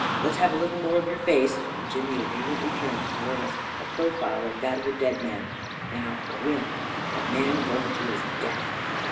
u Let's have a little more of your face !" and Jimmy obediently turned towards us a profile like that of a dead man. " Now go in — like a man going to his death